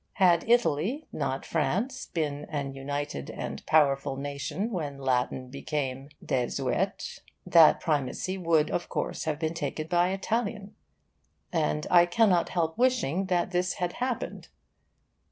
Had Italy, not France, been an united and powerful nation when Latin became desuete, that primacy would of course have been taken by Italian. And I cannot help wishing that this had happened.